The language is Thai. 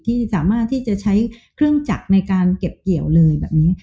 ที่สามารถที่จะใช้เครื่องจักรในการเก็บเกี่ยวเลยแบบนี้